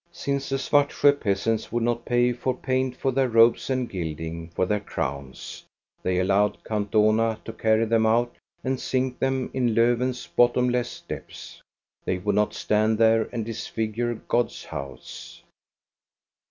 Since the Svartsjo peasants would not pay for paint for their robes and gilding for their crowns, they allowed Count Dohna to carry them out and sink them in Lofven's bottomless depths. They would not stand there and disfigure God's house.